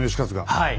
はい。